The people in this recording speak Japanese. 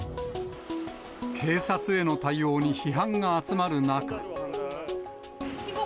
警察への対応に批判が集まる中。